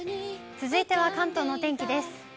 続いては関東のお天気です。